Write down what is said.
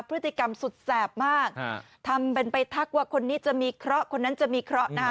พฤติกรรมสุดแสบมากทำเป็นไปทักว่าคนนี้จะมีเคราะห์คนนั้นจะมีเคราะห์นะคะ